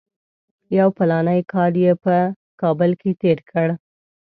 یو فلاني کال یې په کابل کې تېر کړ.